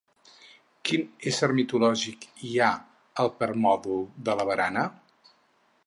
Quin ésser mitològic hi ha al permòdol de la barana?